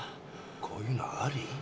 こういうのあり？